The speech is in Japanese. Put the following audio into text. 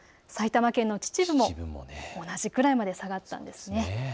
埼玉県の秩父も同じくらいまで下がったんですね。